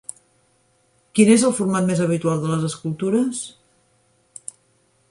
Quin és el format més habitual de les escultures?